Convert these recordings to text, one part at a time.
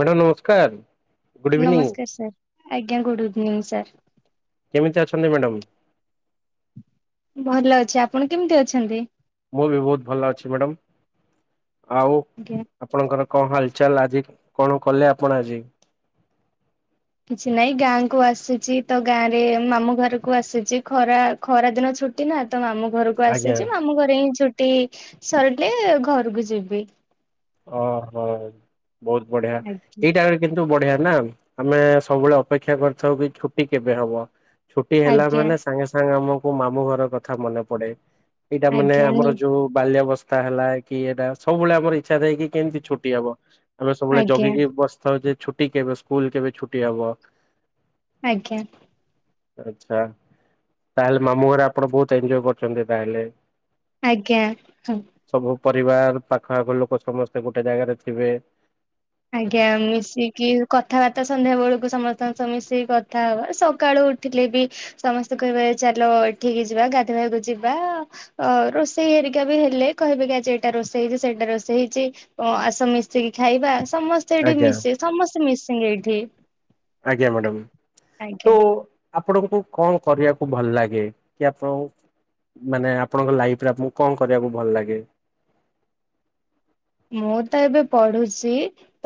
Madam ନମସ୍କାର good evening. ନମସ୍କାର sir. ଆଜ୍ଞା ଗୁଡ୍ ଇଭିନିଂ ସାର୍। କେମିତି ଅଛନ୍ତି ମ୍ୟାଡାମ? ଭଲ ଅଛି ଆପଣ କେମିତି ଅଛନ୍ତି? ମୁଁ ବି ବହୁତ ଭଲ ଅଛି ମ୍ୟାଡ଼ାମ ଆଉ ଆଜ୍ଞା ଆପଣଙ୍କର କଣ ହାଲଚାଲ ଆଜି କଣ କଲେ ଆପଣ ଆଜି? କିଛି ନାଇଁ ଗାଁ କୁ ଆସିଛି ତ ଗାଁ ରେ ମାମୁଁ ଘରକୁ ଆସିଛି ଖରା ଖରା ଦିନ ଛୁଟି ନା ତ ମାମୁଁ ଘରକୁ ଆଜ୍ଞା ଆସିଛି ମାମୁଁ ଘରେ ହିଁ ଛୁ ଟି ସରିଲେ ଘରକୁ ଯିବି। ଓହୋ। ବହୁତ ବଢିଆ ଆଜ୍ଞା ଏଇଟା କିନ୍ତୁ ବଢିଆ। ନା ଆମେ ସବୁବେଳେ ଅପେକ୍ଷା କରିଥାଉ କି ଛୁଟି କେବେ ହବ। ଛୁଟି ହେଲା ଆଜ୍ଞା ମାନେ ସାଙ୍ଗେ ସାଙ୍ଗେ ଆମକୁ କୁ ମାମୁଁ ଘର କଥା ମନେ ପଡେ। ଏଇଟା ମାନେ ଆଜ୍ଞା ଆମର ନି ଯୋଉ ବାଲ୍ୟବସ୍ଥା। ତା ହେଲା କି ଏଇଟା ସବୁବେଳେ ଆମର ଇଚ୍ଛା ଥାଏକି କେମିତି ଛୁଟି ହବ? ଆମେ ସବୁବେଳେ ଆଜ୍ଞା ଜଗିିକି ବସିଥାଉ ଜେ ଛୁଟି କେବେ ସ୍କୁଲ କେବେ ଛୁଟି ହବ? ଆଜ୍ଞା। ଆଚ୍ଛା ତାହେଲେ ମାମୁଁ ଘରେ ଆପଣ ବହୁତ ଏନଜୟ କରୁଛନ୍ତି ତାହେଲେ। ଆଜ୍ଞା ହଁ। ସବୁ ପରିବାର ପାଖଆଖ ଲୋକ ସମସ୍ତେ ଗୋଟେ ଜାଗାରେ ଥିବେ। ଆଜ୍ଞା ମିଶିକି କଥାବାର୍ତ୍ତା ସନ୍ଧ୍ୟା ବେଳକୁ ସମ ସବୁ ମିଶେଇକି କଥା ହବା ସକାଳୁ ଉଠିଲେ ବି ସମସ୍ତେ କହିବେ ଚାଲ ଏଠିକି ଯିବା ଗାଧେଇବାକୁ ଯିବା ଅ ରୋଷେଇ ହେରିକା ବି ହେଲେ କହିବେ କି ଆଜି ଏଇଟା ରୋଷେଇ ହେଇଚି ସେଇଟା ରୋଷେଇ ହେଇଚି ଆସ ମିଶେଇକି ଖାଇବା। ସମସ୍ତେ ଏଇଠି ଆଜ୍ଞା ମିଶିବେ ସମସ୍ତେ ମିଶିଙ୍ଗ୍ ଏଇଠି ଆଜ୍ଞା ମ୍ୟାଡ଼ାମ। ତ ଆଜ୍ଞା। ଆପଣଙ୍କୁ କଣ କରିବାକୁ ଭଲ ଲାଗେ କି ଆପଣଙ୍କୁ ମାନେ ଆପଣଙ୍କ ଲାଇଫ୍ ରେ ଆପଣଙ୍କୁ କଣ କରିବାକୁ ଭଲ ଲାଗେ? ମୁଁ ତ ଏବେ ପଢୁଚି।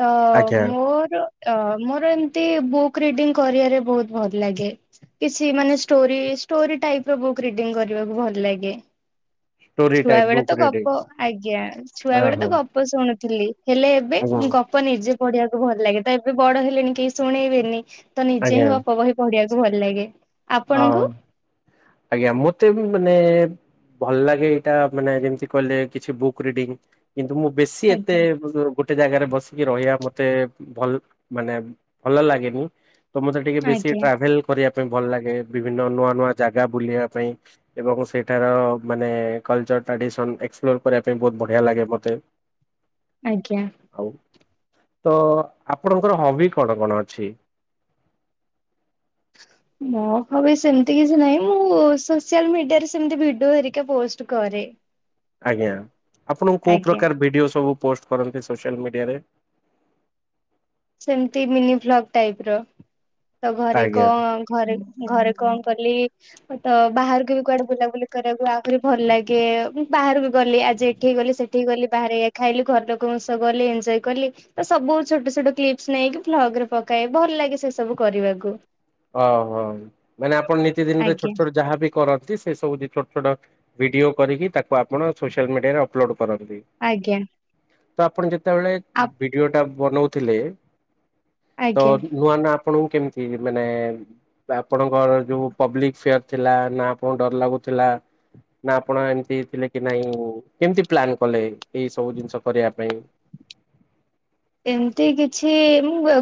ତ ଆଜ୍ଞା। ମୋର ଅ ମୋର ଏମନ୍ତି ବୁକ୍ ରିଡିଙ୍ଗ ବହୁତ ଭଲ ଲାଗେ କିଛି ଷ୍ଟେରି ଟାଇପର ବହି ପଢ଼ିବାକୁ ଭଲ ଲାଗେ। ଷ୍ଟୋରି ଛୁଆ ଟାଇପ ବେଳେ ବୁକ୍ ତ ରିଡିଂ ଗପ ଆଜ୍ଞା ଛୁଆ ବେଳେ ଓହୋ ତ ଗପ ଶୁଣୁଥିଲି ହେଲେ ଏବେ ଆଜ୍ଞା। ଗପ ନିଜେ ପଢିବାକୁ ଭଲ ଲାଗେ ତ ଏବେ ବଡ ହେଲେଣି କେହି ଶୁଣେଇବେନି। ତ ନିଜେ ଆଜ୍ଞା ହିଁ‌ ଗପ ବହି ପଢିବାକୁ ଭଲ ଲାଗେ। ହଁ ଆପଣଙ୍କୁ ଆଜ୍ଞା ମତେ ମାନେ ଭଲ ଲାଗେ ଏଇଟା ମାନେ ଯେମିତି କହିଲେ କିଛି ବୁକ୍ ରିଡିଙ୍ଗ। କିନ୍ତୁ ମୁଁ ବେଶୀ ଏତେ ଆଜ୍ଞା ଗୋ ଗୋଟେ ଜାଗାରେ ବସିକି ରହିବା ମତେ ଭଲ ମାନେ ଭଲ ଲାଗେନି। ତମ ଟା ଟିକେ ବେଶୀ ଆଜ୍ଞା ଟ୍ରାେଭେଲ କରିବା ମ ଭଲ ଲାଗେ। ବିଭିନ୍ନ ନୂଆ ନୂଆ ଜାଗା ବୁଲିବା ପାଇଁ ଏବଂ ସେଇଠାର ମାନେ କଲଚର ଟ୍ରାଡିସନ ଏକ୍ସପ୍ଲୋର କରିବା ପାଇଁ ବହୁତ ବଢିଆ ଲାଗେ ମତେ। ଆଜ୍ଞା ଆଉ ତ ଆପଣଙ୍କର ହବି କଣ କଣ ଅଛି ମୋ ହବ ସେମିତି କିଛି ନହିଁ ମୁଁ ସୋସିଲ ମିଡିଆରେ ସେମ ଭିଡିରିକ ପୋଷ୍ଟ କରେ ଆଜ୍ଞା ଆପଣଙ୍କୁ କୋଉ ଆଜ୍ଞା ପ୍ରକାର ଭିଡିଓ ସବୁ ପୋଷ୍ଟ କରନ୍ତି ସୋସିଆଲ ମିଡ଼ିଆରେ ସେମିତି ମିନି ଭ୍ଲଗ ଟାଇପ ର ତ ଘରେ ଆଜ୍ଞା। କଣ ଘରେ ଘରେ କଣ କଲି ତ ବାହାରକୁ ବି କୁଆଡେ ବୁଲାବୁଲି କରିବାକୁ ଆଉହୁରି ଭଲ ଲାଗେ ବାହାରୁ ବି ଗଲି ଆଜି ଏଠିକି ଗଲି ସେଠିକି ଗଲି ବାହାରେ ଇ ଖାଇଲି ଘର ଲୋକଙ୍କ ସହ ଗଲି ଏଞଜୟ କଲି ତ ସବୁ ଛୋଟ ଛୋଟ କ୍ଲିପସ ନେଇକି ଭ୍ଲଗ ରେ ପକାଏ ଭଲ ଲାଗେ ସେ ସବୁ କରିବାକୁ ଓ ହୋ ମାନେ ଆପଣ ନିୀତି ଦିନ ରେ ଛୋଟ ଆଜ୍ଞା ଛୋଟ ଯାହାବ କରନ୍ତି ସେ ସବୁି ଛୋଟ ଛୋଟ ଭିଡିଓ କରିକି ତାକୁ ଆପଣ ସୋସିଆଲ ମିଡିଆ ରେ ଅପଲୋଡ କର ଫକ ଦେଇ ଆଜ୍ଞା ପଣ ଯେତେ ଯେତେବେଳେ ଆପ ଭିଡିଓ ଟା ବନଉ ଥିଲେ ତ ଆଜ୍ଞା। ନୂଆ ନା ଆପଣଙ୍କୁ କେମିତି ମାନେ ଆପଣଙ୍କର ଯୋଉ ପବ୍ଲିକ ଫାର ଥିଲା ନା ଆପଣଙ୍କୁ ଡର ଲାଗୁଥିଲା ନା ଆପଣ ଏମିତି ଥିଲେ କି ନାଇଁ କେମିତି ପ୍ଲନ୍ କଲେ ଏଇ ସବୁ ଜିନିଷ କରିବା ପାଇଁ ଏମତି କିଛି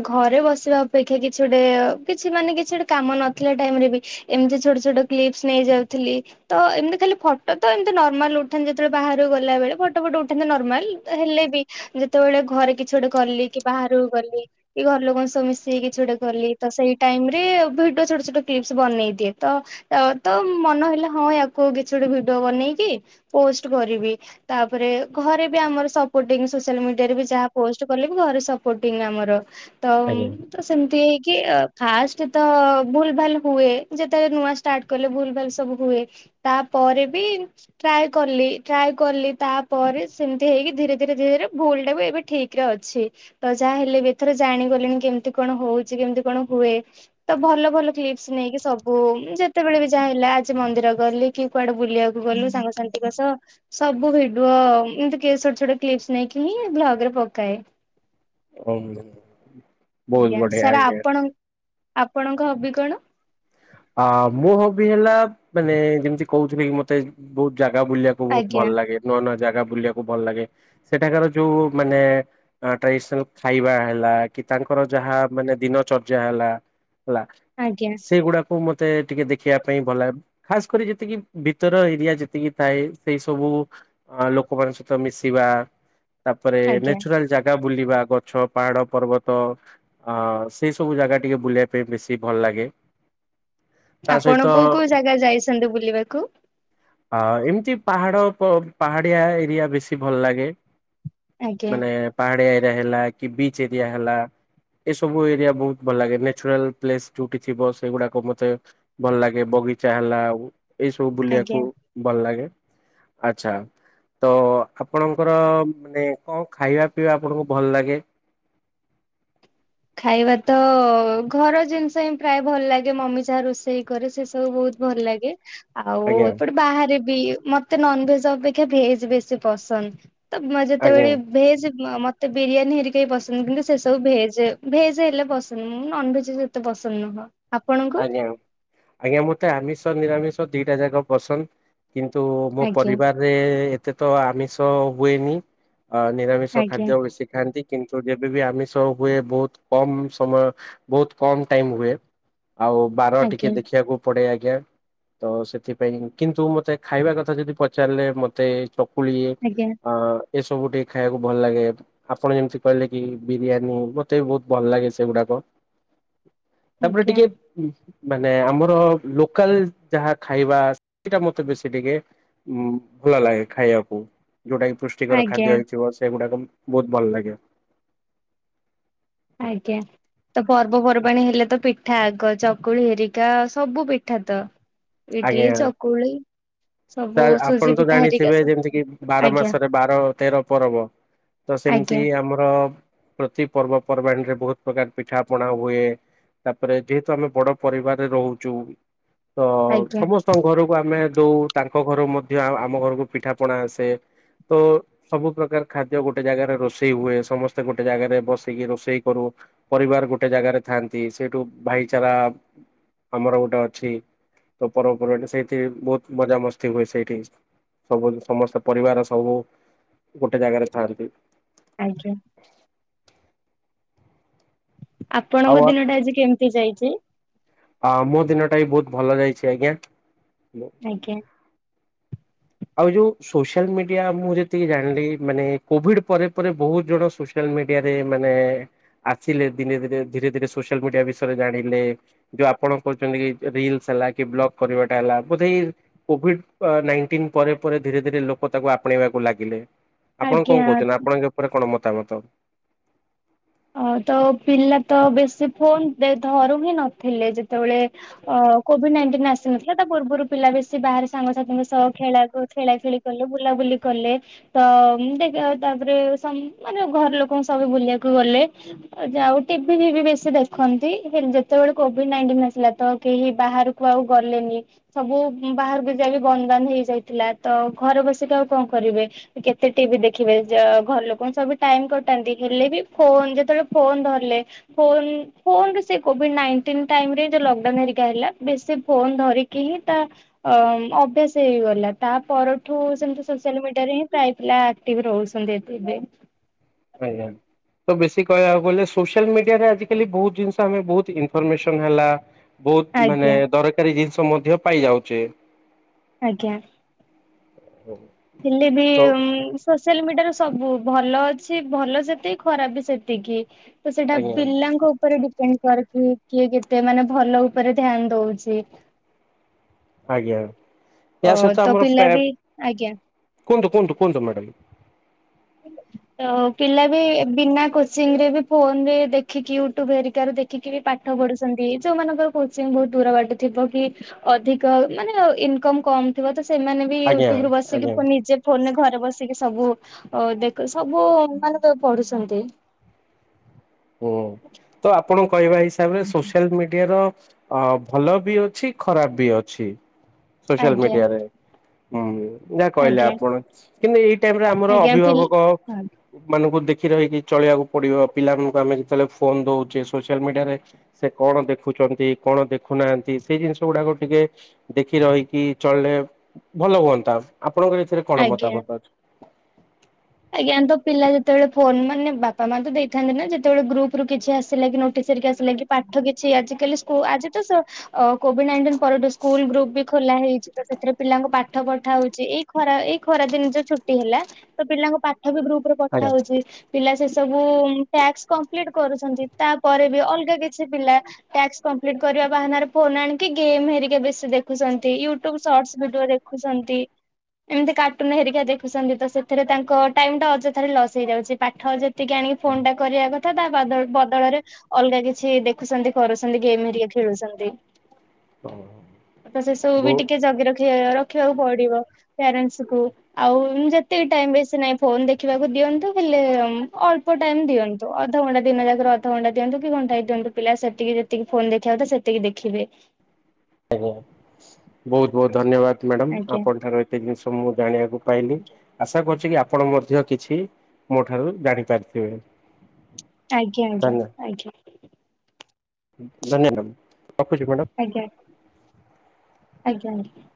ଘରେ ବସିବା ଅପେକ୍ଷା କିଛି ଗୋଟେ କିଛି ମାନେ କିଛି ଗୋଟେ କାମ ନଥିଲା ଟାଇମ ରେ ବି ଏମିତି ଛୋଟ ଛୋଟ କ୍ଲିପସ ନେଇଯାଉଥିଲି ତ ଏମିତି ଖାଲି ଫଟୋ ତ ଏମତି ନର୍ମାଲ ଉଠାନ୍ତି ଯେତେବେଳେ ବାହକୁ ଗଲା ବଳେ ଫଟୋ ଫଟ ଉଠାନ୍ତେ ନର୍ମାଲ ହେଲେ ବି ଯେତେବେଳେ ଘରେ କିଛି ଗୋଟେ କଲି କି ବାହାରକୁ ଗଲି କି ଘର ଲୋକଙ୍କ ସବୁ ମିଶିକି କିଛି ଗୋଟେ ଗଲି ତ ସେଇ ଟାଇମ ରେ ଭିଡିଓ ଛୋଟ ଛୋଟ କ୍ଲିପସ ବନେଇ ଦିଏ ତ ତ ମନ ହେଲେ ହଁ ୟାକୁ କିଛି ଗୋଟେ ଭିଡିଓ ବନେଇକି ପୋଷ୍ଟ କରିବି ତାପରେ ଘରେ ବି ଆମର ସପୋର୍ଟି ସୋସିଆଲ ମିଡିଆରେ ବି ଯାହା ପୋଷ୍ଟ କଲେ ବି ଘରେ ସପୋଟିଂ ଆମର ତ ଆଜ୍ଞା। ତ ସେମିତି କି ଫାଷ୍ଟ ତ ଭୁଲ ଭାଲ ହୁଏ ଯେତେବେଳେ ନୂଆ ଷ୍ଟାର୍ଟ କଲେ ଭୁଲ ଭାଲ ସବୁ ହୁଏ ତାପରେ ବି ଟ୍ରାଏ କଲି ଟ୍ରାଏ କଲି ତାପରେ ସେମିତି ହେଇକି ଧୀରେ ଧୀରେ ଧୀରେ ଧୀରେ ଭୁଲ ଟା ବି ଏବେ ଠିକ ଅଛି ତ ଯାହା ହେଲେ ବି ଏଥର ଜାଣିଗଲେଣି କେମିତି କଣ ହଉଚି କେମିତି କଣ ହୁଏ ତ ଭଲ ଭଲ କ୍ଲିପସ୍ ନେଇକି ସବୁ ଯେତେବେଳେ ବି ଯାହା ହେଲା ଆଜି ମନ୍ଦିର ଗଲି କି କୁଆଡେ ବୁଲିବାକୁ ଗଲୁ ସାଙ୍ଗସାଥିଙ୍କ ସହ ସବୁ ଭିଡିଓ ଏମିତି କି ଛୋଟ ଛୋଟ କ୍ଲିପସ୍ ନେଇକି ହିଁ ଭ୍ଲଗ ରେ ପ କାଇଁ [unintelligible] ଆଜ୍ଞା ବଢିଆ ସାର୍ ଆଜ୍ଞା। ଆପଣଙ୍କ ଆପ ଆପଣଙ୍କ ହବି କଣ? ଆ ମୋ ହବି ହେଲା ମାନେ ଯେମିତି କହୁଥିଲି କି ମତେ ବହୁତ ଜାଗା ବୁଲିବାକୁ ବହୁତ ଭଲ ଆଜ୍ଞା ଲାଗେ ନୁଆ ନୂ ଜାଗା ବୁଲିବାକୁ ଭଲ ଲାଗେ ସେଠାକାର ଯୋଉ ମାନେ ଟ୍ରାଡିସନାଲ ଖାଇବା ହେଲା କି ତାଙ୍କର ଯାହା ମାନେ ଦିନ ଚର୍ଯ୍ୟା ହେଲା ହେଲା ଆଜ୍ଞା ସେଇଗୁଡାକ ତୁ ମତେ ଟିକେ ଦେଖିବା ପାଇଁ ଭଲ ଲେ ଖାସ କରି ଯେତିକି ଭିତର ଏରିଆ ଯେତିକି ଥାଏ ସେଇ ସବୁ ଲୋକମାନଙ୍କ ସହିତ ମିଶିବା ତାପରେ ଆଜ୍ଞା ନେଚୁରାଲ ଜାଗା ବୁଲିବା ଗଛ ପାହାଡ଼ ପର୍ବତ ସେଇ ସବୁ ଜାଗା ଟିକେ ବୁଲିବା ପାଇଁ ବେଶୀ ଭଲ ଲାଗେ। ତା ଆପଣ କୋଉ ସହିତ କୋଉ ଜାଗା ଯାଇଛନ୍ତି ବୁଲିବାକୁ? ପାହାଡ଼ ପ୍ ପାହାଡ଼ିଆ ଏରିଆ ବେଶୀ ଭଲ ଲାଗେ। ଆଜ୍ଞା ମାନେ ପାହାଡିଆ ହେଲା କି ବିଚ ଏରିଆ ହେଲା ଏସବୁ ଏରିଆ ବୋହୁତ ଭଲ ଲାଗେ ନେଚୁରାଲ୍ ପ୍ଲେସ ଯୋଉଠି ଥିବ ସେଗୁଡା କ ମତେ ଭଲ ଲାଗେ ବଗିଚା ହେଲା ଆଉ ଏଇସବୁ ଆଜ୍ଞା। ବୁଲିବାକୁ ଭଲ ଲାଗେ। ଆଛା ତ ଆପଣଙ୍କର ମାନେ କଣ ଖାଇବା ପିଇବା ଆପଣଙ୍କୁ ଭଲ ଲାଗେ? ଖାଇବା ତ ଘର ଜିନିଷ ହିଁ ପ୍ରାୟେ ଭଲ ଲାଗେ ମମି ଯାହା ରୋଷେଇ କରେ ସେ ସବୁ ବୋହୁତ ଭଲ ଲାଗେ। ଆଉ ଆଜ୍ଞା ଏପଟେ ବାହାରେ ବି ମତେ ନନ୍ ଭେଜ ଅପେକ୍ଷା ଭେଜ ବେଶୀ ପସନ୍ଦ। ତ ଆଜ୍ଞା ଯେତେବେଳେ ଭେଜ ମ-ମତ ତ ବିରିୟାନୀ ହେରିକା ବି ପସନ୍ଦ କିନ୍ତୁ ସେ ସବୁ ଭେଜ। ଭେଜ୍ ହେଲେ ପସନ୍ଦ ମୁଁ ନନ୍ ଭେଜ୍ ଯେତେ ପସନ୍ଦ ନୁହଁ। ଆପଣଙ୍କୁ? ଆଜ୍ଞା ଆଜ୍ଞା ମୁଁ ମତେ ଆମିଷ ନିରାମିଷ ଦିଇଟା ଜାଙ୍କ ପସନ୍ଦ। କିନ୍ତୁ ମୋ ଆଜ୍ଞା ପରିବାରରେ ଏ ଏତେ ତ ଆମିଷ ହୁଏନି। ଆ ନିରାମିଷ ଆଜ୍ଞା ଖାଦ୍ୟ ବେଶି ଖାଆନ୍ତି। କିନ୍ତୁ ଯେବେବି ଆମିଷ ହୁଏ ବୋହୁତ କମ ସମୟ ବୋହୁତ କମ ଟାଇମ ହୁଏ। ଆଉ ବାର ଆଜ୍ଞା ଟିକେ ଦେଖିବାକୁ ପଡେ ଆ ଜ୍ଞା ତ ସେଥିପାଇଁ କିନ୍ତୁ ମତେ ଖାଇବା କଥା ଯଦି ପଚାରିଲେ ମତେ ଟୋ କୁଳି ଆଜ୍ଞା ଆଁ ଏସବୁ ଟିକେ ଖାଇବାକୁ ଭଲ ଲାଗେ ଆପଣ ଯେମିତି କହିଲେ କି ବିରିୟାନୀ ମତେ ବି ବୋହୁତ ଭଲ ଲାଗେ ସେଗୁଡାକ। ତାପରେ ଆଜ୍ଞା ଟିକେ ମାନେ ଆମର ଲୋକାଲ ଯାହା ଖାଇବା ସେଟା ମତେ ବେଶୀ ଟିକେ ଭଲ ଲାଗେ ଖାଇବାକୁ ଯୋଉଟା କିି ପୁଷ୍ଟିକର ଆଜ୍ଞା। ଖାଦ୍ୟ ହେଇଯିବ ସେଗୁଡାକ ବହୁତ ଭଲ ଲାଗେ ଆଜ୍ଞା ତ ପର୍ବପର୍ବାଣୀ ହେଲେ ତ ପିଠ ାଗ ଚକୁଳି ହେରିକା ସବୁ ପିଠା ତ ଆଜ୍ଞା ଇଟିଲି ଚକୁଳି ତ ସବୁ ସୁଜି ଆପଣ ତ ପିଠା ହେରିକା ଜାଣିଥିବେ ଯେମିତି ସବୁ କି ବାର ଆଜ୍ଞା ମାସରେ ବାର ତେର ପବ ତ ସେମିତି ଆଜ୍ଞା ଆମର ପ୍ରତି ପର୍ବପର୍ବାଣିୀରେ ବହୁତ ପ୍ରକାର ପିଠା ପଣା ହୁଏ ତାପରେ ଯେହେତୁ ଆମେ ବଡ ପରିବାରରେ ରହୁଛୁ ହ ଆଜ୍ଞା ସମସ୍ତଙ୍କ ଘରକୁ ଆମେ ଦଉ ତାଙ୍କ ଘରୁ ମଧ୍ୟ ଆମ ଘରକୁ ପିଠା ପଣା ଆସେ ତ ସବୁ ପ୍ରକାର ଖାଦ୍ୟ ଗୋଟେ ଜାଗାରେ ରୋଷେଇ ହୁଏ ସମସ୍ତେ ଗୋଟେ ଜାଗାରେ ବସିକି ରୋଷେଇ କରୁ ପରିବାର ଗୋଟେ ଜାଗାରେ ଥାଆନ୍ତି ସେଇଠୁ ଭାଇଚାରା ଆମର ଗୋଟେ ଅଛି ତ ପର୍ବପର୍ବା ସେଇଠି ବହୁତ ମଜାମସ୍ତି ହୁଏ ସେଇଠି ସବୁ ସମସ୍ତେ ପରିବାର ସବୁ ଗୋଟେ ଜାଗାରେ ଥାଆନ୍ତି ଆଜ୍ଞା ଆଉ ଆପଣଙ୍କ ଦିନ ଟା ଆଜି କେମିତି ଯାଇଛି? ଆ ମୋ ଦିନଟା ବି ବହୁତ ଭଲ ଯାଇଛି ଆଜ୍ଞା ଆଜ୍ଞା ଆଉ ଯୋଉ ସୋସିଆଲ ମିଡିଆ ମୁଁ ଯେତିକି ଜାଣିଲି ମାନେ କୋଭିଡ ପରେ ପରେ ବହୁତ ଜଣ ସୋସିଆଲ ମିଡିଆରେ ମାନେ ଆସିଲେ ଧୀରେ ଧୀରେ ଧୀରେ ଧୀରେ ସୋସିଆଲ ମିଡିଆ ବିଷୟରେ ଜାଣିଲେ ଯୋଉ ଆପଣ କହୁଛନ୍ତି ରିଲସ ହେଲା କି ବ୍ଲଗ କରିବାଟା ହେଲା ବୋଧେଇ କୋଭିଡ ନାଇଟିନ ପରେ ପରେ ଧୀରେ ଧୀରେ ଲୋକ ତାକୁ ଆପଣେଇବାକୁ ଲାଗିଲେ ଆପଣ କଣ ଆଜ୍ଞା କହୁଛନ୍ତି ଆପଣଙ୍କ ଉପରେ କଣ ମତ ମତା ମତ ହଁ ତ ପିଲା ତ ବେଶୀ ଫୋନ ଧରୁ ହିଁ ନଥିଲେ ଯେତେବେଳେ ଅ କୋଭିଡ ନାଇଟିନ ଆସିନଥିଲା ତା ପୂର୍ବରୁ ପିଲା ବେଶୀ ବାହାରେ ସାଙ୍ଗସାଥିୀଙ୍କ ସହ ଖେଳା ଖେଳା ଖେଳି କଲେ ବୁଲାବୁଲି କଲେ ତ ଦେଖ ତାପରେ ମାନେ ଘର ଲୋକଙ୍କ ସବୁ ବୁଲିବାକୁ ଗଲେ ଆଉ ଟିଭି ବେଶି ଦେଖନ୍ତି ଯେତେବେଳେ କୋଭିଡ ନାଇଣ୍ଟିନ ଆସିଲା ତ କେହି ବାହାରକୁ ଆଉ ଗଲେନି ସବୁ ବାହାରକୁ ଯ ବି ବନ୍ଦ ବନ୍ଦ ହେଇଯାଇଥିଲା ତ ଘରେ ବସିକି ଆଉ କଣ କରିବେ କେତେ ଟିଭି ଦେଖିବେ ଘର ଲୋକ ସବୁ ଟାଇମ କଟାନ୍ତି ହେଲେ ବି ଫୋନ୍ ଯେତେବେଳେ ଫୋନ ଧରିଲେ ଫୋନ୍ ଫୋନ୍ ସେଇ କୋଭିଡ ନାଇଟିନ୍‌ ଟାଇମ୍ ରେ ଯୋଉ ଲକ ଡାଉନ୍‌ ହେଲା ବେଶୀ ଫୋନ ଧରିକି ହିଁ ତା ଅଭ୍ୟାସ ହେଇଗଲା ତା ପରଠୁ ସେମିତି ସୋସିଆଲ ମିଡିଆ ରେ ହିଁ ପ୍ରାୟ ପିଲା ଆକ୍ଟିଭ ରହୁଛନ୍ତି। ଏଥିରେ ଆଜ୍ଞା ତ ବେଶୀ କହିବାକୁ ଗଲେ ସୋସିଆଲ ମିଡିଆରେ ଆଜିକାଲି ବହୁତ ଜିନିଷ ଆମେ ବହୁତ ଇନଫର ର୍ମେସନ ହେଲା। ବହୁତ ମାନେ ଆଜ୍ଞା ଦରକାରୀ ଜିନିଷ ମଧ୍ୟ ପାଇଯାଉଛେ। ଆଜ୍ଞା ହୁଁ ହେଲେ ବି ଉଁ ଉଁ ସେଲମିଟାରେ ସବୁ ଭଲ ଅଛି ଭଲ ସେତିକି ଖରାପ ବି ସେତିକି ତ ସେଟା ଆଜ୍ଞା। ପିଲାଙ୍କ ଉପରେ ଡି ଫେଣି କର କିଏ କେତେ ମାନେ ଭଲ ଉପରେ ଧ୍ୟାନ ଦଉଛି। ଆଜ୍ଞା ଓ ୟା ତୋ ପିଲା ବି ଆଜ୍ଞା କୁଅନ୍ତୁ କୁଅନ୍ତୁ କୁଅନ୍ତୁ ମ୍ୟାଡ଼ମ ତ ପିଲା ବି ବିନା କୋଚିଂ ରେ ବି ଫୋନ ରେ ଦେଖିକି ୟୁଟ୍ୟୁବ ହେରିକାରୁ ଦେଖିକି ବି ପାଠ ପଢୁଛନ୍ତି ଯୋଉମାନଙ୍କର କୋଚିଂ ବୋହୁତ୍ ଦୂର ବାଟ ଥିବ କି ଅଧିକ ମାନେ ଇନକମ୍ କମ୍ ଥିବ। ତ ସେମାନେ ବି ଆଜ୍ଞା ୟୁଟ୍ୟୁବରୁ ବସିକି ଆଜ୍ଞା ଫୋନ୍ ନିଜେ ଫୋନରେ ଘରେ ବସିକି ସବୁ ଓ ଦେଖୁ ସବୁ ମାନେ ତ ପଢୁଛନ୍ତି। ହୁଁ ତ ଆପଣ କହିବା ହିସାବରେ ସୋସିଆଲ ମିଡିଆର ଅ ଭଲ ବି ଅଛି ଖରାପ ବି ଅଛି। ସୋଶିଆଲ ଆଜ୍ଞା ମିଡିଆରେ। ହୁଁ। ଯାହା କହିଲେ ଆଜ୍ଞା ଆପଣ କିନ୍ତୁ ଏଇ ଟାଇପର ଆମର ଆଜ୍ଞା ପିଲ ଅଭିଭାବକ ମାନଙ୍କୁ ଦେ ଦେଖି ରହିକି ଚଳିବାକୁ ପଡିବ ପିଲାମାନ ଆମେ ଯେତେବେଳେ ଫୋନ ଦଉଚେ ସୋସିଆଲ ମିଡିଆରେ ସେ କଣ ଦେଖୁଛନ୍ତି କଣ ଦେଖୁନାହାନ୍ତି ସେଇ ଜିନିଷ ଗୁଡାକ ଟିକେ ଦେଖି ରହିକି ଚଳିଲେ ଭଲ ହୁଅନ୍ତା ଆପ ଆପଣଙ୍କର ଏଥିରେ କଣ ଆଜ୍ଞା ମତାମତ ଅଛି? ଆଜ୍ଞା ତ ପିଲା ଯେତେବେଳେ ଫୋନ ମାନେ ବାପା ମା ତ ଦେଇଥାନ୍ତି ନା ଯେତେବେଳେ ଗ୍ରୁପରୁ କିଛି ଆସିଲା କି ନୋଟିସ ହେରିକି ଆସିଲା କି ପାଠ କିଛି ଆଜିକାଲି ସ୍କୁ ଆଜି ତ ସ କ କୋଭିଡ ନାଇଟିନଠ ସ୍କୁଲ ଗ୍ରୁପ ବି ଖୋଲା ହେଇଚି। ତ ସେଥିରେ ପିଲାଙ୍କୁ ପାଠ ପଠା ହୋଉଚି ଏଇ ଖରା ଏଇ ଖରା ଦିନ ଯୋ ଛୁଟି ହେଲା ତ ପିଲାଙ୍କୁ ଠ ବି ଗ୍ରୁପରେ ପଠା ହୋଉଚି ପିଲା ସେ ସବୁ ଟ୍ୟାକ୍ସ କମ୍ପ୍ଲିଟ୍ କରୁଛନ୍ତି ତାପରେ ବି ଅଲଗା କିଛି ପିଲା ଟ୍ୟାକ୍ସ କମ୍ପ୍ଲିଟ କରିବା ବାହାନାରେ ଫୋନ ଆଣିକି ଗେମ୍ ହେରିକ ବେଶି ଦେଖୁଛନ୍ତି ୟୁଟ୍ୟୁବ ସଟ୍ସ ଭିଡିଓ ଦେଖୁଛନ୍ତି ଏମିତି କାର୍ଟୁନ ହେରିକ ଦେଖୁଛନ୍ତି। ତ ସେଥିରେ ତାଙ୍କ ଟାଇମ୍ ଟା ଅଯଥାରେ ଲସ୍ ହେଇଯାଉଛି ପାଠ ଯେ ଟିକେ ଆଣିକି ଫୋନ ଟା କରିବା କ ତ ତା ବଦ ବଦଳରେ ଅଲଗା କିଛି ଦେଖୁଛନ୍ତି କରୁଛନ୍ତି ଗେମ୍ ହେରିକା ଖେଳୁଛନ୍ତି। ଆଜ୍ଞା। ତ ସେ ସବୁ ବି ବହୁ ଟିକେ ଜଗି ରଖିବାର ଦେଖିବାକୁ ପଡିବ ପ୍ୟାରେନ୍ସଙ୍କୁ ଆଉ ଯେତକି ଟାଇ ବେଶୀ ନାହିଁ। ଫୋନ ଦେଖିବାକୁ ଦିଅନ୍ତୁ ହେଲେ ଅଳ୍ପ ଟାଇମ ଦିଅନ୍ତୁ ଅଧଘଣ୍ଟା ଦିନ ଯାକ ଅଧଘଣ୍ଟା ଦିଅନ୍ତୁ କି ଘଣ୍ଟା ଦିଅନ୍ତୁ ପିଲା ସେତିକି ଯେତିକି ଫୋନ ଦେଖିବା କଥା ସେତିକି ଦେଖିବେ। ଆଜ୍ଞା ବୋହୁତ ବୋହୁତ ଧନ୍ୟବାଦ। ମ୍ୟାଡ଼ାମ୍ ଆଜ୍ଞା ଆପଣ ଠାରୁ ଏତେ ଜିନିଷ ମୁଁ ଜାଣିବାକୁ ପାଇଲି ଆଶା କରୁଛି କି ଆପ ଆପଣ ମଧ୍ୟ କିଛି ମୋ ଠାରୁ ଜାଣି ପାରିଥିବେ। ଆଜ୍ଞା ଆଜ୍ଞା ଆଜ୍ଞା। ଧନ୍ୟବାଦ। ରଖୁଛି ମ୍ୟାଡ଼ାମ। ଆଜ୍ଞା ଆଜ୍ଞା ଆଜ୍ଞା।